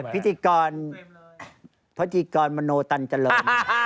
พิธีกรมโนตันเจริญ